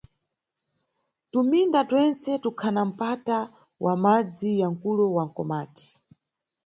Tuminda twentse tukhana mpata wa madzi ya mkulo wa Mkomati.